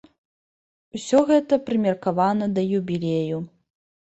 Усё гэта прымеркавана да юбілею.